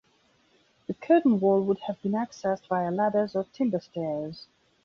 The curtain wall would have been accessed via ladders or timber stairs.